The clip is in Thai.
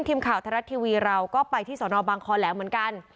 ทีมข่าวไทยรัฐทีวีเราก็ไปที่สนบังคอแหลมเหมือนกัน